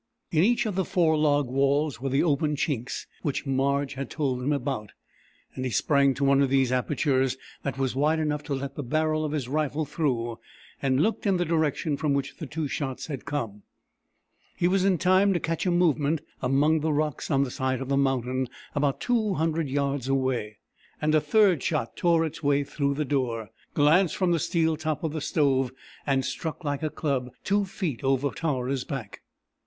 In each of the four log walls were the open chinks which Marge had told him about, and he sprang to one of these apertures that was wide enough to let the barrel of his rifle through and looked in the direction from which the two shots had come. He was in time to catch a movement among the rocks on the side of the mountain about two hundred yards away, and a third shot tore its way through the door, glanced from the steel top of the stove, and struck like a club two feet over Tara's back.